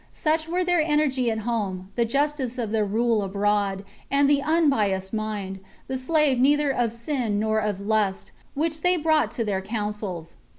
Such were their energy at home, the justice of their rule abroad, and the unbiassed mind, the slave neither of sin nor of lust, which they brought to their councils.